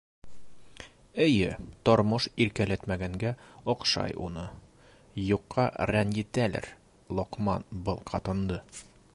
Эйе, тормош иркәләтмәгәнгә оҡшай уны: юҡҡа рәнйетәлер Лоҡман был ҡатынды.